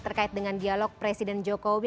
terkait dengan dialog presiden jokowi